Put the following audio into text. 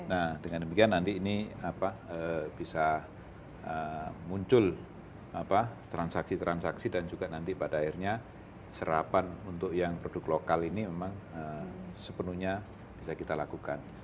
nah dengan demikian nanti ini bisa muncul transaksi transaksi dan juga nanti pada akhirnya serapan untuk yang produk lokal ini memang sepenuhnya bisa kita lakukan